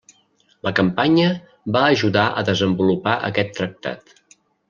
La campanya va ajudar a desenvolupar aquest Tractat.